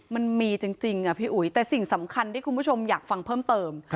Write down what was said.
มันมีจริงพี่อุ๋ยแต่สิ่งสำคัญที่คุณผู้ชมอยากฟังเพิ่มเติม